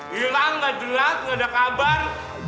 hilang gak jelas gak ada kabar